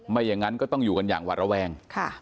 อย่างนั้นก็ต้องอยู่กันอย่างหวัดระแวง